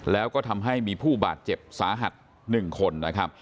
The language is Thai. แล้วก็ทำให้มีผู้บาดเจ็บสาหัส๑คนนะครับ